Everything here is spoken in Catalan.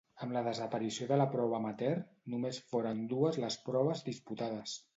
Amb la desaparició de la prova amateur, només foren dues les proves disputades.